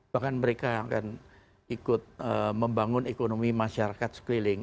bahkan mereka yang akan ikut membangun ekonomi masyarakat sekeliling